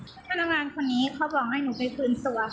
ขนาดงานคนนี้เขาบอกให้หนูไปขึ้นตัว